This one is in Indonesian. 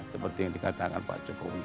seperti yang dikatakan pak jokowi